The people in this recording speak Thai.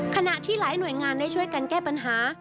ขณะที่หลายหน่วยงานได้ช่วยกันแก้ปัญหา